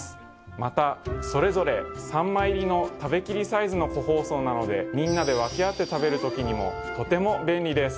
またそれぞれ３枚入りの食べ切りサイズの個包装なのでみんなで分け合って食べる時にもとても便利です。